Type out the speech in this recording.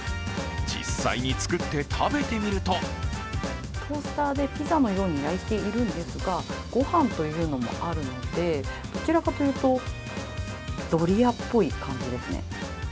実際に作って食べてみるとトースターでピザのように焼いているんですが、御飯というのもあるのでどちらかというとドリアっぽい感じですね。